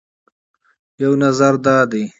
یو نظر دا دی